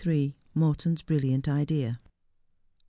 MORTON 's BRILLIANT IDEA.